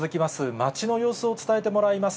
街の様子を伝えてもらいます。